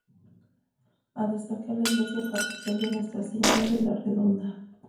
A destacar la Iglesia parroquial de Nuestra Señora de la Redonda.